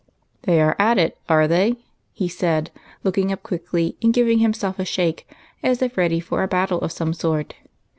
* "They are at it, are they?" he said, looking up quickly, and giving himself a shake, as if ready for a battle of some sort.